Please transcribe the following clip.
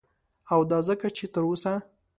او دا ځکه چه تر اوسه